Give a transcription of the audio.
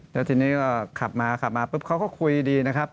แล้วทีนี้ก็ขับมาขับมาปุ๊บเขาก็คุยดีนะครับ